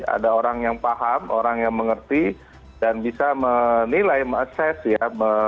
ada orang yang paham orang yang mengerti dan bisa menilai mengasess ya